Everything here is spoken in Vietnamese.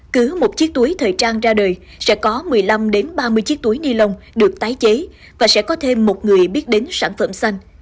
cứ một chiếc túi thời trang ra đời sẽ có một mươi năm ba mươi chiếc túi ni lông được tái chế và sẽ có thêm một người biết đến sản phẩm xanh